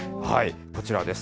こちらです。